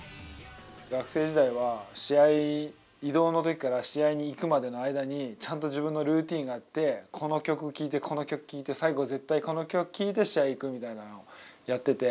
学生時代は試合移動の時から試合に行くまでの間にちゃんと自分のルーティンがあってこの曲聴いてこの曲聴いて最後絶対この曲聴いて試合行くみたいなのをやってて。